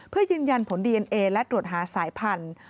เพื่อยืนยันผลดีเอ็นเอและตรวจหาสายพันธุ์